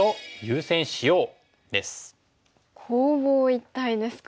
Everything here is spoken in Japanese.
攻防一体ですか。